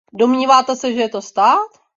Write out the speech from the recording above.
Domníváte se, že je to stát?